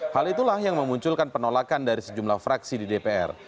hal itulah yang memunculkan penolakan dari sejumlah fraksi di dpr